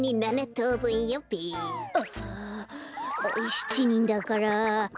７にんだから。